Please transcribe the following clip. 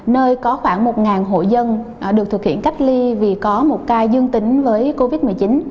nơi có khoảng một hộ dân được thực hiện cách ly vì có một ca dương tính với covid một mươi chín